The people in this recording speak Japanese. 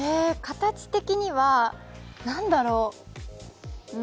形的には何だろう